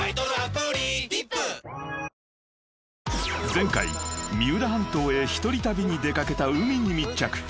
［前回三浦半島へ一人旅に出掛けたＵＭＩに密着］